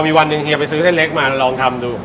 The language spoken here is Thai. มีวันหนึ่งเฮียไปซื้อเส้นเล็กมาลองทำดู